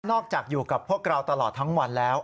จากอยู่กับพวกเราตลอดทั้งวันแล้ว